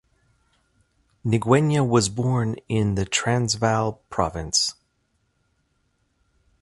Ngwenya was born in the Transvaal Province.